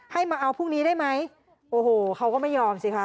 ให้มาเอาพรุ่งนี้ได้ไหมโอ้โหเขาก็ไม่ยอมสิคะ